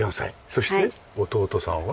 そして弟さんは？